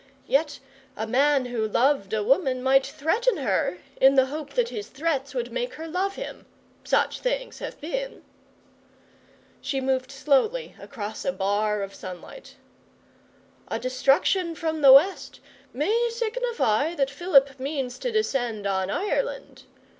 Yet a man who loved a woman might threaten her 'in the hope that his threats would make her love him. Such things have been.' She moved slowly across a bar of sunlight. 'A destruction from the West may signify that Philip means to descend on Ireland.